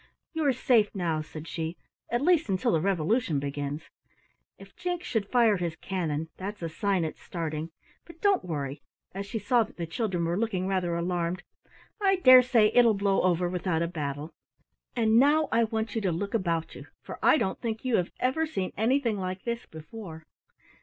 "You are safe now," said she, "at least until the revolution begins. If Jinks should fire his cannon, that's a sign it's starting, but don't worry" as she saw that the children were looking rather alarmed "I dare say it will blow over without a battle. And now I want you to look about you, for I don't think you have ever seen anything like this before."